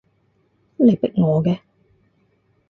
你逼我嘅